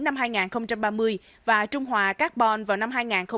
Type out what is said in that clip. năm hai nghìn ba mươi và trung hòa carbon vào năm hai nghìn bốn mươi